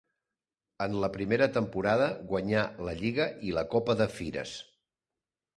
En la primera temporada guanyà la lliga i la Copa de Fires.